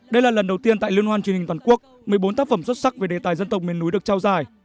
đây là lần đầu tiên tại liên hoan truyền hình toàn quốc một mươi bốn tác phẩm xuất sắc về đề tài dân tộc miền núi được trao giải